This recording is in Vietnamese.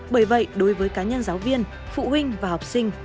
bởi vậy đối với cá nhân giáo viên phụ huynh và học sinh